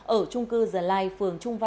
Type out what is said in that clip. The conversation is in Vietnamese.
ở trung cư the light phường trung tây